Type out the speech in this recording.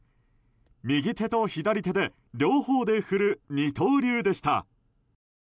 右手と左手で両方で振る二刀流でした。